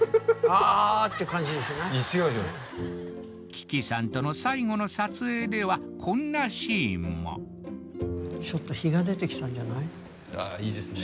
樹木さんとの最後の撮影ではこんなシーンもああいいですね